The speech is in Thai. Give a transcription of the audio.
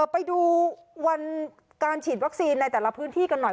ไปดูวันการฉีดวัคซีนในแต่ละพื้นที่กันหน่อย